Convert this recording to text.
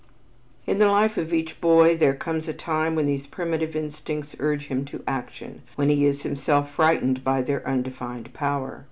In the life of each boy there comes a time when these primitive instincts urge him to action, when he is himself frightened by their undefined power.